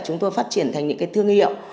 chúng tôi phát triển thành những cái thương hiệu